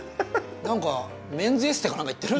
何かメンズエステか何か行ってる？